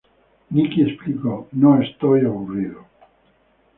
Nicky explicó, “No estoy aburrido.